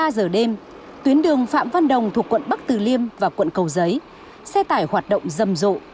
hai mươi ba giờ đêm tuyến đường phạm văn đồng thuộc quận bắc từ liêm và quận cầu giấy xe tải hoạt động dâm rộ